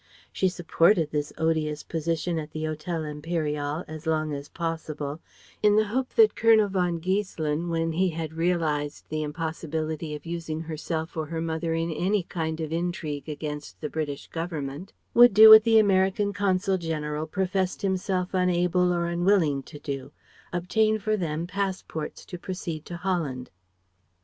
She supported this odious position at the Hotel Impérial as long as possible, in the hope that Colonel von Giesselin when he had realized the impossibility of using herself or her mother in any kind of intrigue against the British Government would do what the American Consul General professed himself unable or unwilling to do: obtain for them passports to proceed to Holland.